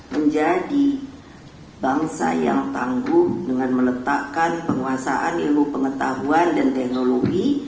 menjadi bangsa yang tangguh dengan meletakkan penguasaan ilmu pengetahuan dan teknologi